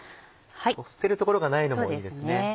捨てる所がないのもいいですね。